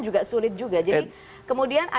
juga sulit juga jadi kemudian